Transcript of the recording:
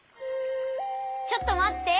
ちょっとまって！